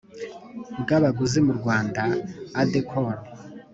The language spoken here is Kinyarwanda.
Bw abaguzi mu rwanda adecor